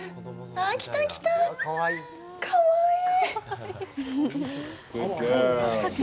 あ、かわいい。